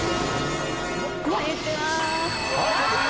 こんにちは。